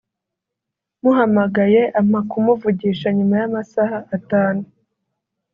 muhamagaye ampa kumuvugisha nyuma y’ amasaha atanu